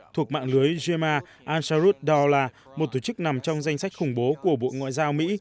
thuộc mạng lưới jema ansarudola một tổ chức nằm trong danh sách khủng bố của bộ ngoại giao mỹ